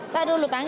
tadi dulu kan